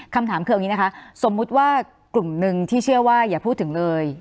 คำถามคือเอาอย่างนี้นะคะสมมุติว่ากลุ่มหนึ่งที่เชื่อว่าอย่าพูดถึงเลย